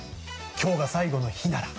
「今日が最後の日なら」